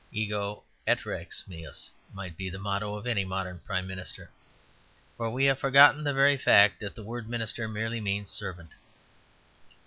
Ego et Rex Meus might be the motto of any modern Prime Minister; for we have forgotten the very fact that the word minister merely means servant.